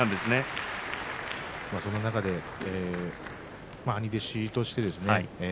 その中で兄弟子としてですね